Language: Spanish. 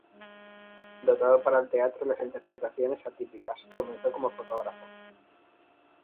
Dotado para el teatro y las interpretaciones atípicas, comenzó como fotógrafo.